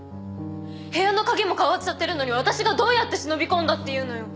部屋の鍵も替わっちゃってるのに私がどうやって忍び込んだっていうのよ。